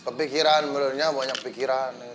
kepikiran menurutnya banyak pikiran